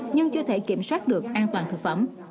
nhưng chưa thể kiểm soát được an toàn thực phẩm